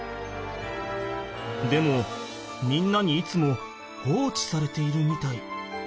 でもみんなにいつも放置されているみたい。